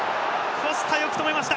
コスタ、よく止めました！